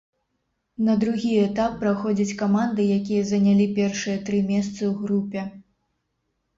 На другі этап праходзяць каманды, якія занялі першыя тры месцы ў групе.